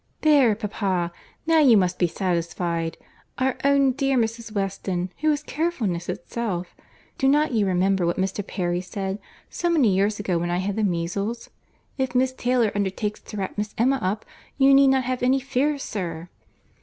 "There, papa!—Now you must be satisfied—Our own dear Mrs. Weston, who is carefulness itself. Do not you remember what Mr. Perry said, so many years ago, when I had the measles? 'If Miss Taylor undertakes to wrap Miss Emma up, you need not have any fears, sir.